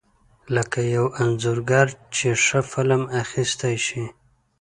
لکه یو انځورګر چې ښه فلم اخیستی شي.